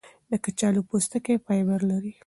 د کچالو پوستکی فایبر لري.